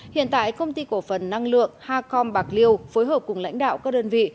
hiện tại công ty cổ phần năng lượng hacom bạc liêu phối hợp cùng lãnh đạo các đơn vị